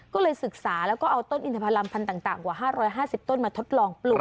ก็เลยศึกษาแล้วก็เอาต้นอินทพลัมพันธ์ต่างกว่า๕๕๐ต้นมาทดลองปลูก